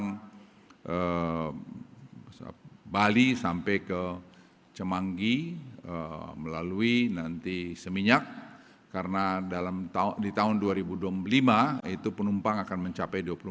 menuju dari bali sampai ke cemanggi melalui nanti seminyak karena dalam tahun dua ribu dua puluh lima itu penumpang akan mencapai